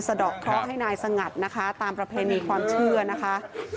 ดอกเคราะห์ให้นายสงัดนะคะตามประเพณีความเชื่อนะคะ